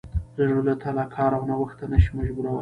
د زړه له تله کار او نوښت ته نه شي مجبورولی.